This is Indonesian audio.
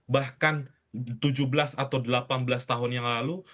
bahkan tujuh belas atau delapan belas tahun yang lalu